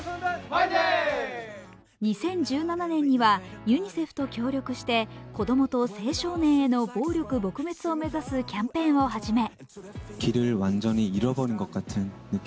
２０１７年にはユニセフと協力して子供と青少年への暴力撲滅を目指すキャンペーンをはじめ